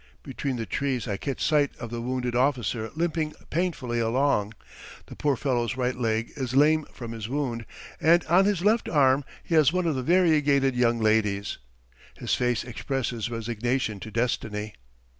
Between the trees I catch sight of the wounded officer limping painfully along. The poor fellow's right leg is lame from his wound, and on his left arm he has one of the variegated young ladies. His face expresses resignation to destiny.